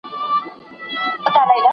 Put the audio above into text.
¬ اوبه چي پر يوه ځاى ودرېږي بيا ورستېږي.